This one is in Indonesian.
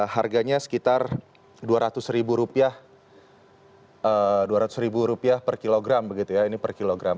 harganya sekitar dua ratus rupiah per kilogram